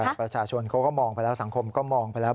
แต่ประชาชนเขาก็มองไปแล้วสังคมก็มองไปแล้ว